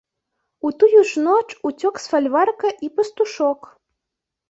У тую ж ноч уцёк з фальварка і пастушок.